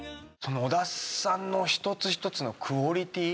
小田さんの１つ１つのクオリティー。